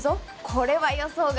これは予想外。